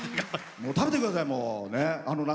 食べてください